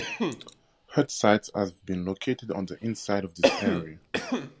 Hut sites have been located on the inside of this area.